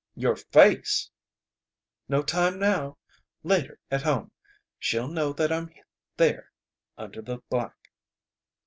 "Your face!" "No time now. Later at home! She'll know that I'm there under the black!"